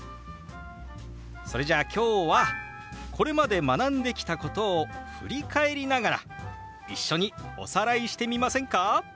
それじゃあ今日はこれまで学んできたことを振り返りながら一緒におさらいしてみませんか？